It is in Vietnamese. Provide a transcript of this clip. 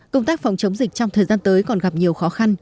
công tác phòng chống dịch trong thời gian tới còn gặp nhiều khó khăn